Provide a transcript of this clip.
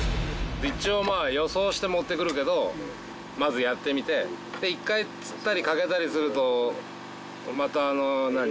一応まあ予想して持ってくるけどまずやってみて一回釣ったりかけたりするとまた何？